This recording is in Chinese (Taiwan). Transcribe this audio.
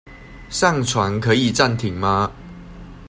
上傳可以暫停嗎？